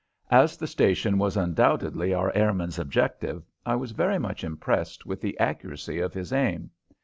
As the station was undoubtedly our airman's objective, I was very much impressed with the accuracy of his aim.